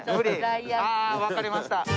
ああわかりました。